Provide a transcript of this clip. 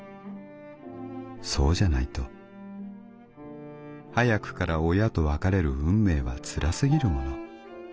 そうじゃないと早くから親と別れる運命は辛すぎるもの」。